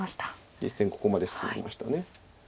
実戦ここまで進みました。